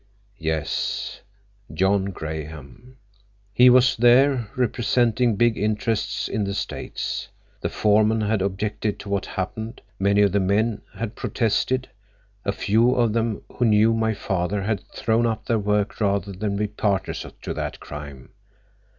"Yes, John Graham. He was there, representing big interests in the States. The foreman had objected to what happened; many of the men had protested; a few of them, who knew my father, had thrown up their work rather than be partners to that crime.